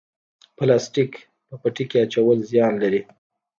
پلاستیک په پټي کې اچول زیان لري؟